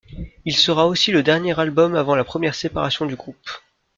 Il sera aussi le dernier album avant la première séparation du groupe.